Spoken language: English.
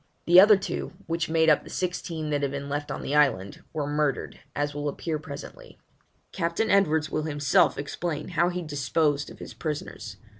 The other two, which made up the sixteen that had been left on the island, were murdered, as will appear presently. Captain Edwards will himself explain how he disposed of his prisoners.